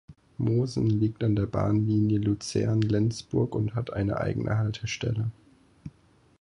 Mosen liegt an der Bahnlinie Luzern−Lenzburg und hat eine eigene Haltestelle.